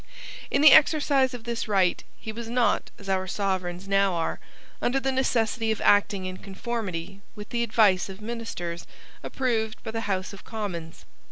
In the exercise of this right he was not, as our sovereigns now are, under the necessity of acting in conformity with the advice of ministers approved by the House of Commons.